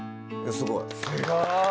すごい。